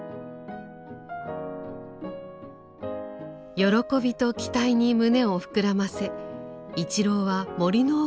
喜びと期待に胸を膨らませ一郎は森の奥へと向かいます。